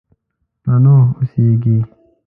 تنوع اوسېږي.